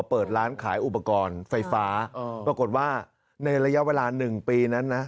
เปิดร้านขายอุปกรณ์ไฟฟ้าปรากฏว่าในระยะเวลา๑ปีนั้นนะ